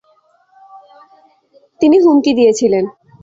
তিনি হুমকি দিয়েছিলেন।